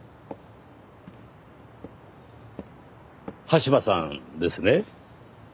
羽柴さんですね？